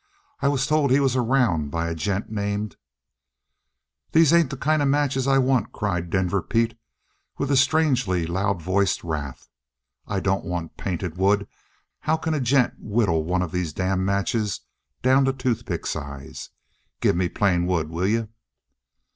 I was told he was around by a gent named " "These ain't the kind of matches I want!" cried Denver Pete, with a strangely loud voiced wrath. "I don't want painted wood. How can a gent whittle one of these damned matches down to toothpick size? Gimme plain wood, will you?"